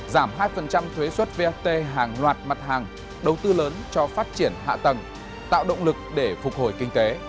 giảm hai thuế xuất vat hàng loạt mặt hàng đầu tư lớn cho phát triển hạ tầng tạo động lực để phục hồi kinh tế